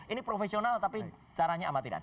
ini profesional tapi caranya amatiran